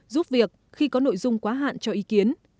giúp việc khi có nội dung quá hạn cho ý kiến